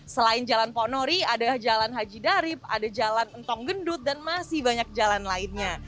selain jalan ponori ada jalan haji darip ada jalan entong gendut dan masih banyak jalan lainnya